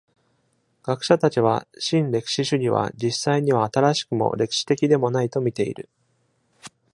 学者たちは、新歴史主義は実際には新しくも歴史的でもないと見ている。